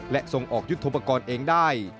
และทรงออกยุทธภกรเองได้